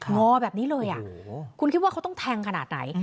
งอแบบนี้เลยคุณคิดว่าเขาต้องแทงขนาดไหน